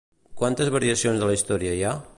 Quantes variacions de la història hi ha?